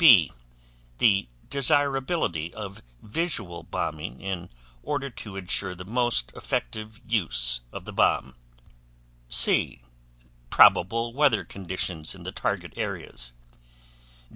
B. The desirability of visual bombing in order to insure the most effective use of the bomb. C. Probable weather conditions in the target areas.